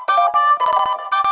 kau mau kemana